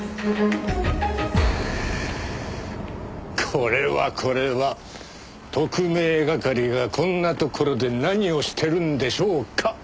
これはこれは特命係がこんなところで何をしてるんでしょうか？